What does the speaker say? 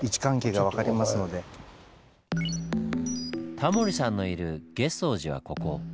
タモリさんのいる月窓寺はここ。